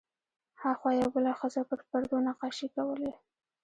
هاخوا یوه بله ښځه پر پردو نقاشۍ کولې.